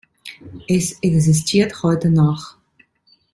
Es existiert heute noch.